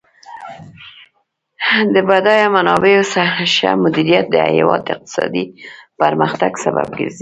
د بډایه منابعو ښه مدیریت د هیواد د اقتصادي پرمختګ سبب ګرځي.